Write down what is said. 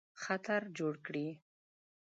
خطر جوړ کړي.